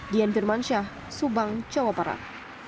dian firmansyah subang jawa barat